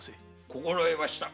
心得ました。